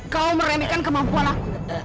kau merenikan kemampuan aku